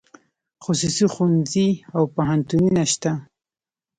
خصوصي ښوونځي او پوهنتونونه شته